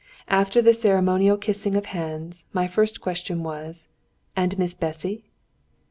After the ceremonial kissing of hands, my first question was, "And Miss Bessy?"